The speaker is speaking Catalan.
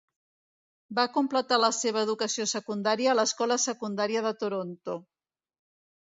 Va completar la seva educació secundària a l'escola secundària de Toronto.